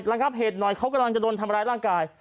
ลักษณะว่าเราลักษณะเขาต้องทำร้ายร่างกาย